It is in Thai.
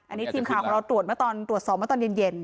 อันนี้ทีมข่าวของเราตรวจสอบมาตอนเย็น